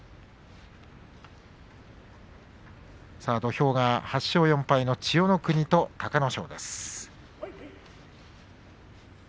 土俵は８勝４敗の千代の国と隆の勝です。